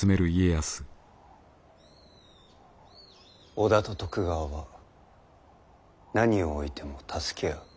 織田と徳川は何を措いても助け合う。